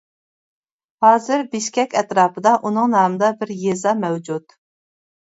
ھازىر بىشكەك ئەتراپىدا ئۇنىڭ نامىدا بىر يېزا مەۋجۇت.